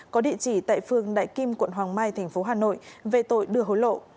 có địa chỉ tại phương đại kim quận hoàng mai tp hcm về tội đưa hối lộ